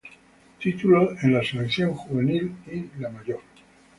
Títulos en la Selección juvenil y la mayor.